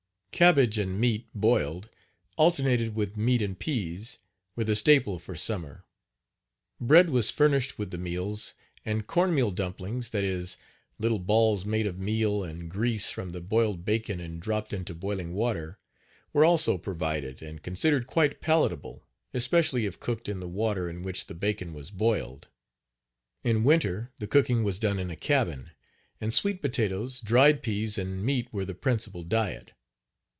Cabbage and meat, boiled, alternated with meat and peas, were the staple for summer. Bread was furnished with the meals and corn meal dumplings, that is, little balls made of meal and grease from the boiled bacon and dropped into boiling water, were also provided and considered quite palatable, especially if cooked in the water in which the bacon was boiled. In winter the cooking was done in a cabin, and sweet potatoes, dried peas and meat were the principal diet.